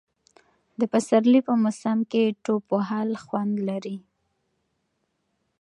د پسرلي په موسم کې ټوپ وهل خوند لري.